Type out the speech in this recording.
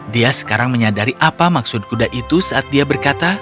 dia sekarang menyadari apa maksud kuda itu saat dia berkata